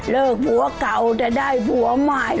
ผัวเก่าจะได้ผัวใหม่